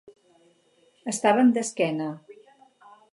Estaven d'esquena.